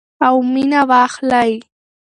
او مینه واخلئ.